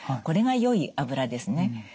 これがよい脂ですね。